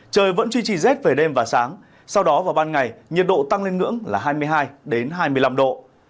trời vẫn duy trì rét về đêm và sáng sau đó vào ban ngày nhiệt độ tăng lên ngưỡng là hai mươi hai hai mươi năm độ